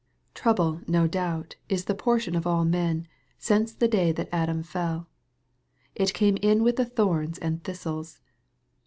Trouble, no doubt, is the portion of all men, since the day that Adam fell. It came in with the thorns and thistles.